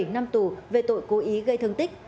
bảy năm tù về tội cố ý gây thương tích